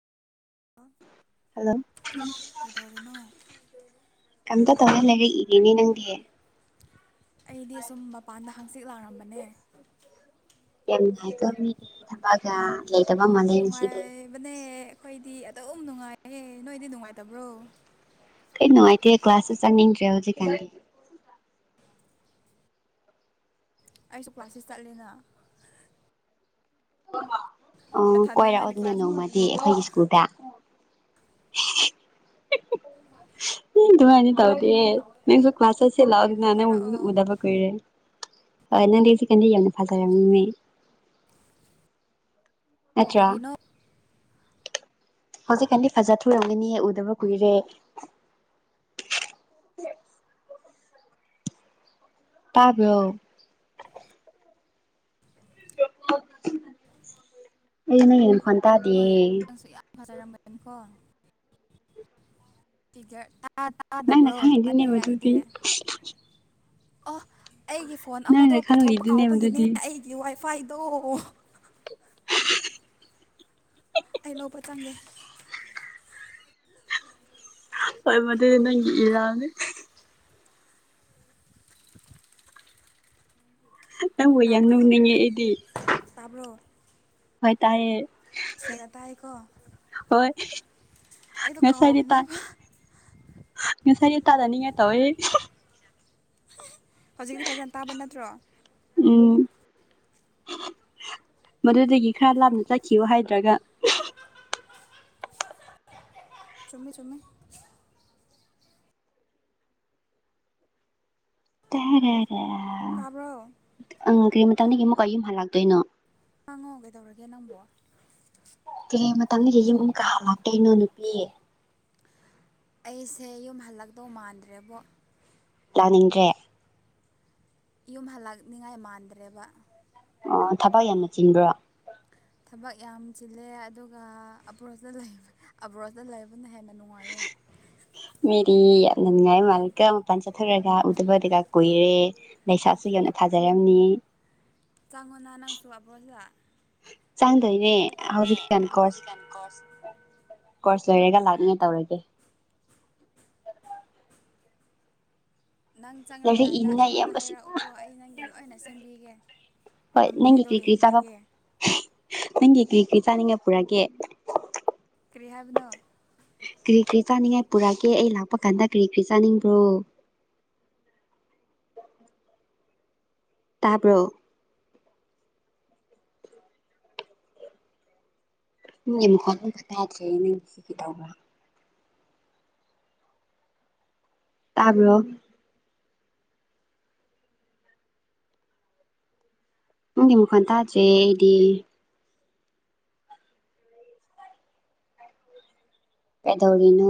hello ꯀꯩꯗꯧꯔꯤꯅꯣ ꯀꯝꯇꯥ ꯇꯃꯦꯂꯔꯤ ꯏꯅꯤ ꯅꯪ ꯗꯤꯌꯦ ꯑꯩꯗꯤ ꯁꯨꯝ ꯃꯄꯥꯟꯗ ꯍꯥꯡꯆꯤꯠ ꯂꯥꯛꯔꯝꯕꯅꯦ ꯌꯥꯝ ꯀ ꯊꯒ ꯅꯨꯡꯉꯥꯏꯕꯅꯦ ꯑꯩꯈꯣꯏꯗꯤ ꯇꯝ ꯅꯨꯡꯉꯥꯏꯍꯦ ꯅꯣꯏꯗꯤ ꯅꯨꯡꯉꯥꯏꯇꯕ꯭ꯔꯣ ꯀꯩ ꯅꯨꯡꯉꯥꯏꯇꯦ ꯀ꯭ꯂꯥꯁꯁꯨ ꯆꯪꯅꯤꯡꯗ꯭ꯔꯦ ꯍꯧꯖꯤꯛꯀꯥꯟꯗꯤ ꯑꯩꯁꯨ ꯀ꯭ꯂꯥꯁꯁꯦ ꯆꯠꯂꯦꯅ ꯑꯣ ꯅꯊꯟꯗ ꯅꯪꯗꯤ ꯀꯣꯏꯔꯛꯑꯣꯗꯅ ꯀ꯭ꯂꯥꯁ ꯅꯣꯡꯃꯗꯤ ꯁꯨꯗ ꯎ ꯊ ꯑꯅꯤ ꯇꯧꯗꯤꯦ ꯅꯦꯛ ꯀ ꯀ꯭ꯂꯥꯁ ꯁꯤ ꯂꯥꯎꯅꯦ ꯀꯣꯏꯔꯛꯑꯣ ꯎꯗꯕ ꯀꯔꯦ ꯍꯣꯏ ꯅꯪꯒꯤ ꯁꯤꯀꯟꯗꯤ ꯌꯥꯝꯅ ꯐꯖꯔꯝꯃꯦꯅꯦ ꯅꯥꯇ꯭ꯔꯥ ꯀꯔꯤꯅꯣ ꯍꯧꯖꯤꯛꯀꯥꯟꯗꯤ ꯐꯖꯥ ꯊꯣꯛꯑꯝꯃꯤꯅꯦ ꯎꯗꯕ ꯀꯨꯏꯔꯦ ꯇꯥꯕꯔꯣ ꯑꯩꯅꯦ ꯐꯟ ꯇꯥꯗꯦ ꯖꯔꯥ ꯃꯇꯝ ꯀꯣ [unintelligible] ꯅꯪꯅ ꯈꯪꯩꯉꯤꯗꯨꯅꯦ ꯃꯗꯨꯗꯤ ꯑꯣ ꯑꯩꯒꯤ ꯐꯣꯟ ꯑꯃꯗꯣ ꯅꯪꯅ ꯄꯨꯊꯣꯛꯄ ꯈꯪꯉꯤꯗꯨꯅꯦ ꯀꯥꯎꯕꯒꯤꯅꯦ ꯃꯗꯨꯗꯤ ꯑꯩꯒꯤ ꯋꯥꯏ ꯐꯥꯏꯗꯣ [inaudible] ꯑꯩ ꯂꯣꯕ ꯆꯪꯒꯦ ꯍꯣꯏ ꯃꯗꯨ ꯅꯪꯒꯤ ꯏꯔꯥꯜꯅꯦ ꯅꯪꯕꯨ ꯌꯥꯝ ꯇꯥꯕ꯭ꯔꯣ ꯅꯣꯛꯅꯤꯡꯉꯦ ꯑꯩꯗꯤ ꯍꯣꯏ ꯇꯥꯏꯌꯦ ꯁꯦꯡꯅꯇꯥꯏꯀꯣ ꯍꯣꯏ [unintelligible] ꯉꯁꯥꯏꯗꯤ ꯇꯥꯏ ꯉꯁꯥꯏꯗꯤ ꯇꯥꯗꯅꯤꯡꯉꯦ ꯇꯋ [unintelligible] ꯍꯧꯖꯤꯛꯇꯤ ꯐꯖꯅ ꯇꯥꯕ ꯅꯠꯇ꯭ꯔꯣ ꯎꯝ ꯃꯗꯨꯗꯒꯤ ꯈꯔ ꯂꯥꯞꯅ ꯆꯠꯈꯤꯌꯣ ꯍꯥꯏꯗ꯭ꯔꯒ ꯆꯨꯝꯃꯦ-ꯆꯨꯝꯃꯦ ꯇꯦꯔꯦ-ꯔꯦ ꯇꯥꯕ꯭ꯔꯣ ꯎꯝ ꯀꯔꯤ ꯃꯇꯝꯗꯒꯤ ꯑꯃꯨꯛꯀ ꯌꯨꯝ ꯍꯥꯜꯂꯥꯛꯇꯣꯏꯅꯣ ꯍꯥꯡꯉꯣ ꯀꯩꯗꯧꯔꯒꯦ ꯅꯪꯕꯣ ꯀꯦ-ꯀꯦ ꯃꯇꯝꯗꯗꯤ ꯌꯨꯝ ꯀꯥ ꯂꯥꯛꯇꯣꯏꯅꯣ ꯅꯨꯄꯤ ꯑꯩꯁꯦ ꯌꯨꯝ ꯍꯜꯂꯛꯇꯣ ꯃꯥꯟꯗ꯭ꯔꯦꯕꯣ ꯂꯥꯅꯤꯡꯗ꯭ꯔꯦ ꯌꯨꯝ ꯍꯥꯜꯂꯛꯅꯤꯉꯥꯏ ꯃꯥꯟꯗ꯭ꯔꯦꯕ ꯑꯣ ꯊꯕꯛ ꯌꯥꯝꯅ ꯆꯤꯟꯕ꯭ꯔꯣ ꯊꯕꯛ ꯌꯥꯝ ꯆꯤꯜꯂꯦ ꯑꯗꯨꯒ ꯑꯕ꯭ꯔꯣꯠꯇ ꯂꯩ ꯑꯕ꯭ꯔꯣꯠꯇ ꯂꯩꯕ ꯍꯦꯟꯅ ꯅꯨꯡꯉꯥꯏꯌꯦ ꯅꯝꯅꯤꯡꯉꯥꯏ ꯃꯥꯂꯤꯀꯣ ꯃꯄꯥꯟ ꯆꯠꯈ꯭ꯔꯥꯒ ꯎꯗꯕ ꯀꯩꯀꯥ ꯀꯨꯏꯔꯦ ꯂꯩꯁꯥꯁꯨ ꯌꯧꯅ ꯐꯥꯖꯔꯝꯃꯦ ꯆꯪꯉꯣꯅ ꯅꯪꯁꯨ ꯑꯕ꯭ꯔꯣꯠꯇ ꯆꯪꯗꯣꯏꯅꯦ ꯍꯧꯖꯤꯛ ꯇꯦꯟ ꯍꯧꯖꯤꯛꯀꯥꯟ ꯀꯣꯔꯁ ꯀꯣꯔꯁ-ꯀꯣꯔꯁ ꯂꯣꯏꯔꯒ ꯂꯥꯛꯅꯤ ꯇꯧꯔꯒꯦ ꯅꯪ ꯂꯥꯏꯔꯤꯛ ꯆꯪꯉꯝꯗꯥꯏꯗ ꯏꯅꯤꯡꯉꯥꯏ ꯑꯩꯉꯣꯟꯗ ꯌꯥꯝꯕꯁꯤ ꯍꯥꯏꯔꯛꯎꯀꯣ ꯑꯩ ꯅꯪꯒꯤ ꯂꯣꯏꯅ ꯁꯦꯝꯕꯤꯒꯦ ꯍꯣꯏ ꯅꯪꯒꯤ ꯉꯝꯕꯤꯗꯣ ꯀ꯭ꯔꯤ ꯌꯦꯡꯕꯤꯒꯦ ꯀ꯭ꯔꯤ-ꯀ꯭ꯔꯤ ꯆꯥꯅꯤꯡꯉꯦ ꯄꯨꯔꯛꯒꯦ ꯀꯅꯥꯗꯅꯣ ꯀꯔꯤ ꯀꯔꯤ ꯆꯥꯅꯤꯡꯉꯥꯏ ꯄꯨꯔꯛꯑꯒꯦ ꯑꯩ ꯂꯥꯛꯄ ꯀꯥꯟꯗ ꯀꯔꯤ ꯀꯔꯤ ꯆꯥꯅꯤꯡꯕ꯭ꯔꯣ ꯇꯥꯕ꯭ꯔꯣ ꯒꯤ ꯑꯃꯨꯀ ꯑꯗꯨ ꯈ ꯇꯗ꯭꯭ꯔꯦ ꯅꯪ ꯀꯩꯗꯧꯕ ꯇꯥꯕꯣ ꯅꯒꯤ ꯅꯈꯣꯟ ꯇꯥꯗ꯭ꯔ‌ꯦ ꯑꯩꯗꯤ ꯄꯗꯧꯔꯤꯅ‌ꯣ